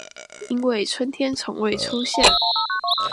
因為春天從未出現